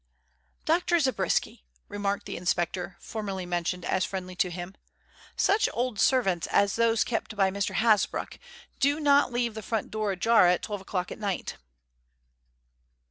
"Dr. Zabriskie," remarked the inspector formerly mentioned as friendly to him, "such old servants as those kept by Mr. Hasbrouck do not leave the front door ajar at twelve o'clock at night."